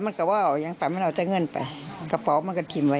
แต่มันก็ว่าอ่อยังป่ะมันเอาเงินไปกระเป๋ามันก็ทิ้งไว้